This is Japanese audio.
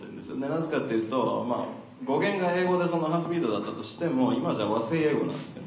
なぜかっていうと語源が英語で「ｈａｌｆ−ｂｒｅｅｄ」だったとしても今じゃ和製英語なんですよ。